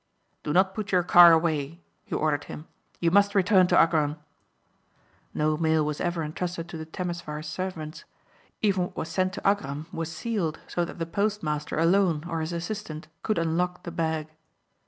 "Do not put your car away," he ordered him, "You must return to Agram." No mail was ever entrusted to the Temesvar servants. Even what was sent to Agram was sealed so that the post master alone or his assistant could unlock the bag.